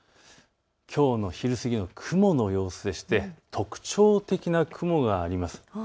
きょうの昼過ぎの雲の様子で特徴的な雲があります。